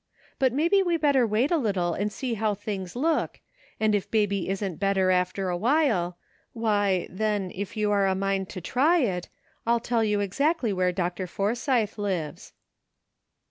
But maybe we 118 NIGHT WORK. better wait a little and see how things look, and if Baby isn't better after awhile, why, then if you are a mind to try it, Fll tell you exactly where Dr. Forsy the lives."